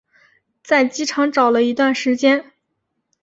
在机场找了一段时间